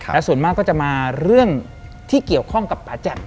และส่วนมากก็จะมาเรื่องที่เกี่ยวข้องกับป่าแจ่ม